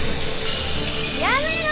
やめろ！